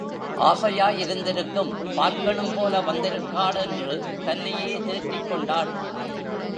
ஆசையாய் இருந்திருக்கும் பார்க்கணும் போல வந்திருக்காள் என்று தன்னையே தேற்றிக் கொண்டாள்.